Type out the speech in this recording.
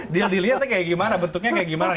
dia dilihatnya kayak gimana bentuknya kayak gimana